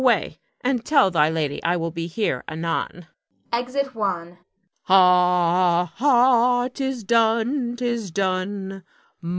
Away, and tell thy lady I will be here anon. [Exit Juan. Ha, ha! 'tis done! 'tis done!